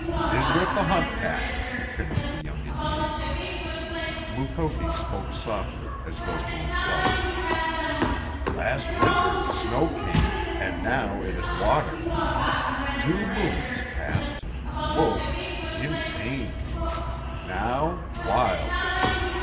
"Is with the hunt pack," finished the young Indian. Mukoki spoke softly, as though to himself. "Last winter the snow came, and now it is water. Two moons past, Wolf, heem tame. Now wild.